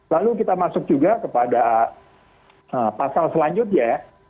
lalu kita masuk juga kepada pasal selanjutnya